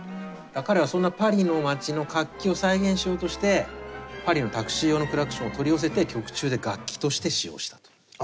彼はそんなパリの街の活気を再現しようとしてパリのタクシー用のクラクションを取り寄せて曲中で楽器として使用したという。